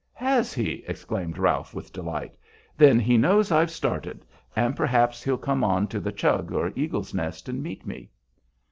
"Has he?" exclaimed Ralph, with delight. "Then he knows I've started, and perhaps he'll come on to the Chug or Eagle's Nest and meet me."